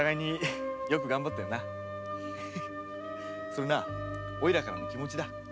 それなおいらからの気持ちだ。